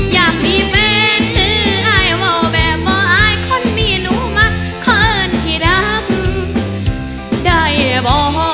อยากมีแฟนหรือไอว่าแบบว่าไอคนนี้หนูมักขอเอิญที่ดำได้บ่